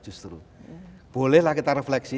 justru bolehlah kita refleksi